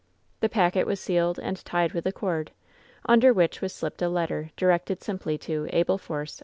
The packet was sealed and tied with a cord, under which was slipped a letter, directed simply to Abel Force.